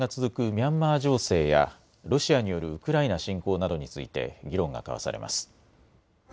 ミャンマー情勢やロシアによるウクライナ侵攻などについて議論が交わされます。